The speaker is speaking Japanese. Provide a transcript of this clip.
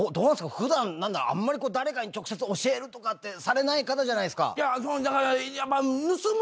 普段あんまり誰かに直接教えるとかってされない方じゃないですか。